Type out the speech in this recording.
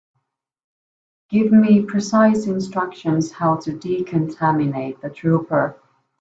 Give me precise instructions how to decontaminate the trooper.